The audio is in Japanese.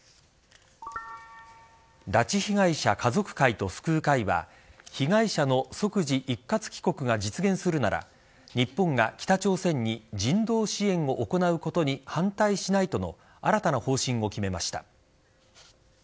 拉致被害者家族会と救う会は被害者の即時一括帰国が実現するなら日本が北朝鮮に人道支援を行うことに反対しないとの新たな方針を決めました。